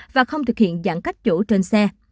và không thực hiện giãn cách chỗ trên xe